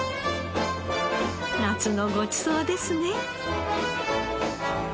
夏のごちそうですね。